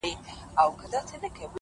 انسانیت په توره نه راځي په ډال نه راځي